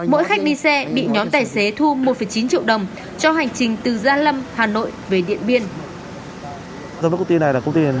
mỗi khách đi xe bị nhóm tài xế thu một chín triệu đồng cho hành trình từ gia lâm hà nội về điện biên